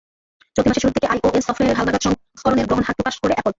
চলতি মাসের শুরুর দিকে আইওএস সফটওয়্যারের হালনাগাদ সংস্করণের গ্রহণ হার প্রকাশ করে অ্যাপল।